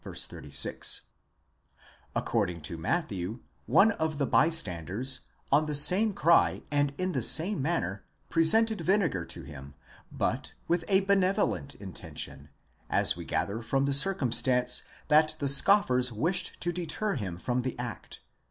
36) ; according to Matthew, one of the bystanders, on the same cry, and in the same manner, presented vinegar to him, but with a benevolent intention, as we gather from the circumstance that the scoffers wished to deter him from the act (v.